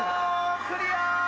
クリア！